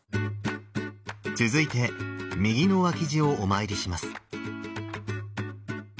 続いて右の脇侍をお参りします。